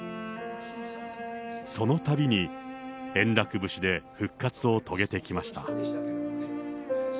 そのたびに、円楽節で復活を遂げてきました。